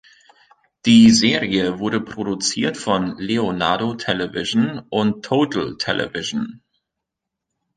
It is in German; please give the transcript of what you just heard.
Die Serie wurde produziert von Leonardo Television und Total Television.